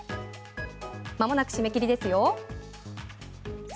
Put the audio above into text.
まもなく締め切りですよ。